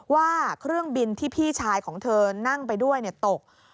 ว่าเครื่องบินที่พี่ชายของเธอนั่งไปด้วยตก